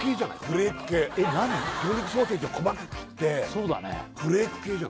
フレーク系魚肉ソーセージを細かく切ってフレーク系じゃない？